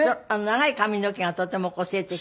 長い髪の毛がとても個性的。